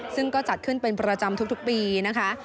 ซึ่งก็จัดขึ้นเป็นประจำทุกปีนะคะ